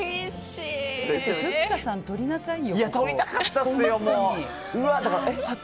ふっかさん取りなさいよ